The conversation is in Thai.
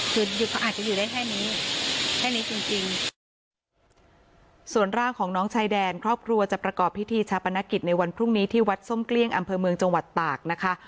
คือเขาอาจจะอยู่ได้แค่นี้แค่นี้จริงจริงส่วนร่างของน้องชายแดนครอบครัวจะประกอบพิธีชาปนกิจในวันพรุ่งนี้ที่วัดส้มเกลี้ยงอำเภอเมืองจังหวัดตากนะคะ